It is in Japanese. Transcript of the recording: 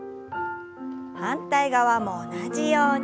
反対側も同じように。